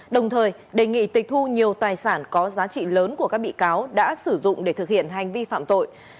đồng thời đề nghị tịch thu nhiều tài sản có giá trị lớn của các bị cáo đã sử dụng để thực hiện hành vi phạm tội